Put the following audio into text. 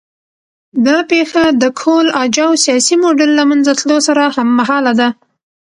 دا پېښه د کهول اجاو سیاسي موډل له منځه تلو سره هممهاله ده